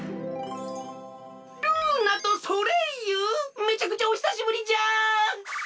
めちゃくちゃおひさしぶりじゃ！